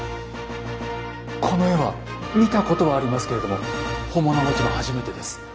この絵は見たことはありますけれども本物はもちろん初めてです。